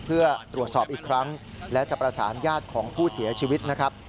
เพื่อตรวจสอบอีกครั้งและจะประสานญาติของผู้เสียชีวิตนะครับ